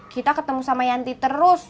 kita ketemu sama yanti terus